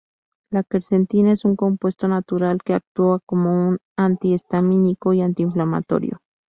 La quercetina es un compuesto natural que actúa como un antihistamínico y antiinflamatorio.